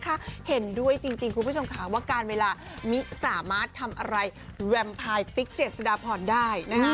แต่ถ้าเห็นด้วยด้วยคุณผู้ชมค่ะการเวลามิสามารถทำอะไรแวมพายติ๊กเจสดาพรได้